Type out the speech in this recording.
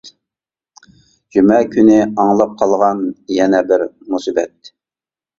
جۈمە كۈنى ئاڭلاپ قالغان يەنە بىر مۇسىبەت.